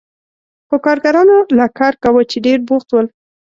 خو کارګرانو لا کار کاوه چې ډېر بوخت ول.